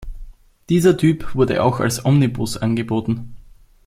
Dieser Typ wurde auch als Omnibus angeboten.